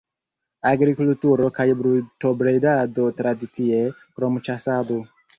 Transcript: Agrikulturo kaj brutobredado tradicie, krom ĉasado.